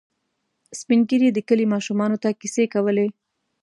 سپين ږیري د کلي ماشومانو ته کیسې کولې.